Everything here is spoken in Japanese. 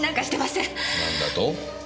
なんだと？